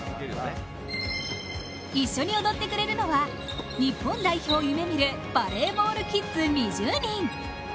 一緒に踊ってくれるのは、日本代表を夢見るバレーボールキッズ２０人。